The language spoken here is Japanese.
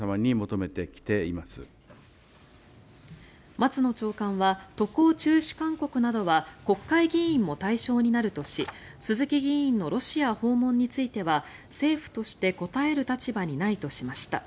松野長官は渡航中止勧告などは国会議員も対象になるとし鈴木議員のロシア訪問については政府として答える立場にないとしました。